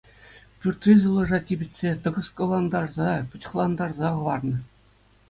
Пӳртри сывлӑша типӗтсе, тӑкӑскӑлантарса, пӑчӑхлантарса хӑварнӑ.